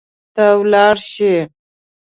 ته ولاړ شي